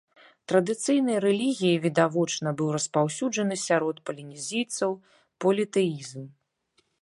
Традыцыйнай рэлігіяй, відавочна, быў распаўсюджаны сярод палінезійцаў політэізм.